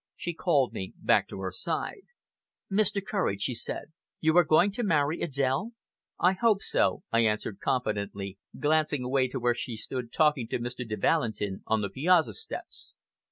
She called me back to her side. "Mr. Courage," she said, "you are going to marry Adèle?" "I hope so," I answered confidently, glancing away to where she stood talking to Mr. de Valentin on the piazza steps.